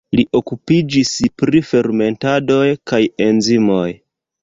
Li okupiĝis pri fermentadoj kaj enzimoj.